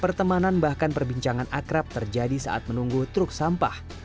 pertemanan bahkan perbincangan akrab terjadi saat menunggu truk sampah